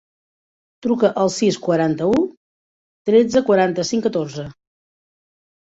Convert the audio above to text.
Truca al sis, quaranta-u, tretze, quaranta-cinc, catorze.